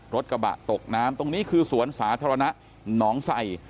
รถกระบะตกน้ำตรงนี้คือสวนสาธารณะหนองใส่